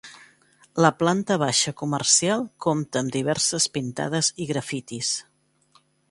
La planta baixa comercial compta amb diverses pintades i grafitis.